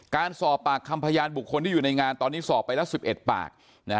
การสอบปากคำพยานบุคคลที่อยู่ในงานตอนนี้สอบไปแล้ว๑๑ปาก